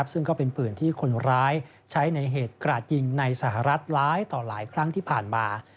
ซึ่งก็เป็นปืนที่คนร้ายใช้ในเหตุกราดยิงในสหรัฐร้ายต่อหลายครั้งที่ผ่านมา